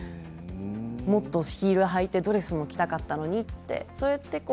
もっとヒールを履いてドレスを着たかったのにって。